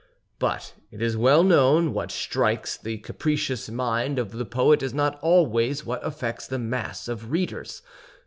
But, it is well known, what strikes the capricious mind of the poet is not always what affects the mass of readers.